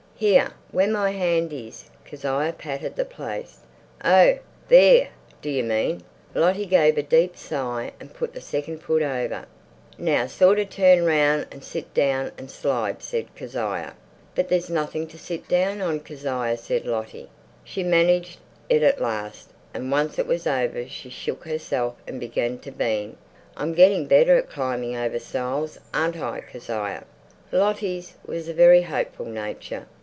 "Here where my hand is." Kezia patted the place. "Oh, there do you mean!" Lottie gave a deep sigh and put the second foot over. "Now—sort of turn round and sit down and slide," said Kezia. "But there's nothing to sit down on, Kezia," said Lottie. She managed it at last, and once it was over she shook herself and began to beam. "I'm getting better at climbing over stiles, aren't I, Kezia?" Lottie's was a very hopeful nature.